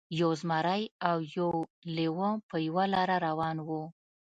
یو زمری او یو لیوه په یوه لاره روان وو.